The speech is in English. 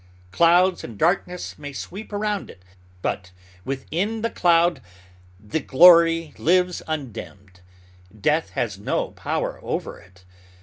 Clouds and darkness may sweep around it, but within the cloud the glory lives undimmed. Death has no power over it.